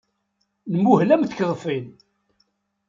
Nmuhel am tkeḍfin.